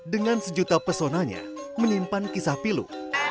dengan sejuta pesonanya menyimpan kisah pilu